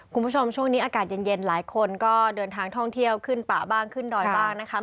คุณผู้ชมช่วงนี้อากาศเย็นหลายคนก็เดินทางท่องเที่ยวขึ้นป่าบ้างขึ้นดอยบ้างนะคะ